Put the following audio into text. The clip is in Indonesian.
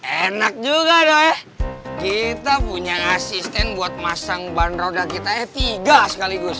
enak juga deh kita punya asisten buat masang ban roda kita eh tiga sekaligus